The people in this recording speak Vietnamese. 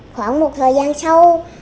khoảng một thời gian sau